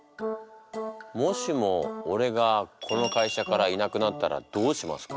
「もしも俺がこの会社からいなくなったらどうしますか？」